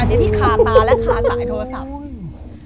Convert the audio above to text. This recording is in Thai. อันนี้ที่คาตาและคาตาไอ้โทรศัพท์